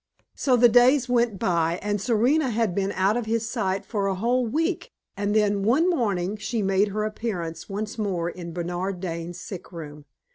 So the days went by, and Serena had been out of his sight for a whole week; and then, one morning, she made her appearance once more in Bernard Dane's sick room.